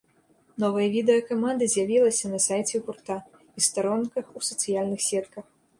Новае відэа каманды з'явілася на сайце гурта і старонках ў сацыяльных сетках.